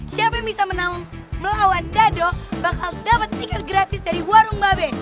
siapa yang bisa menang melawan dado bakal dapat stiker gratis dari warung babe